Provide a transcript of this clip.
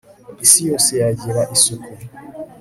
isi yose yagira isuku